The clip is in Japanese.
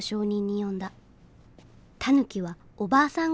タヌキはおばあさん